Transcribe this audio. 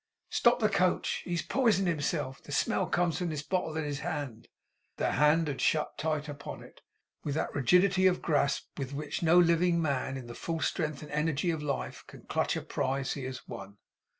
'Stop the coach! He has poisoned himself! The smell comes from this bottle in his hand!' The hand had shut upon it tight. With that rigidity of grasp with which no living man, in the full strength and energy of life, can clutch a prize he has won.